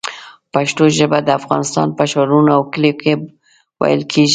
پښتو ژبه د افغانستان په ښارونو او کلیو کې ویل کېږي.